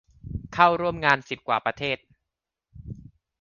เข้าร่วมงานสิบกว่าประเทศ